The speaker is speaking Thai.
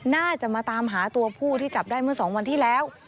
น่าจะมาตามหาตัวผู้ที่จับได้เมื่อ๒วันที่แล้ว